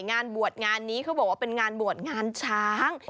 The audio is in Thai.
งานบวชงานนี้เขาบอกว่าเป็นงานบวชงานช้าง